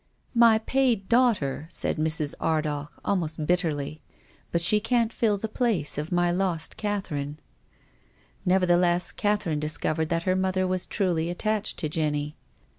" My paid daughter," said Mrs. Ardagh, almost bitterly, " But she can't fill the place of my lost Catherine." Nevertheless, Catherine discovered that her mother was truly attached to Jenny.